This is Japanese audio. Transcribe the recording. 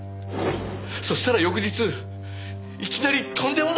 そうしたら翌日いきなりとんでもない事を。